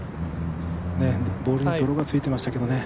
ボールに泥がついていましたけどね。